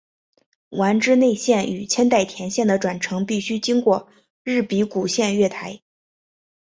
丸之内线与千代田线的转乘必须经过日比谷线月台。